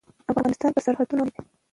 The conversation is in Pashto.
افغانستان په سرحدونه غني دی.